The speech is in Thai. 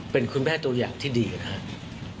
เป็นคุณแม่ตัวอย่างที่ดีนะครับ